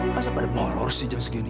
masa pada mau horor sih jam segini